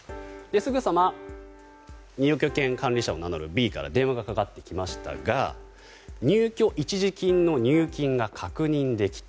すぐさま入居権管理者を名乗るＢから電話がかかってきましたが入居一時金の入金が確認できた。